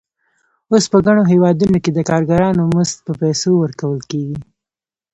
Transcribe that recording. اوس په ګڼو هېوادونو کې د کارګرانو مزد په پیسو ورکول کېږي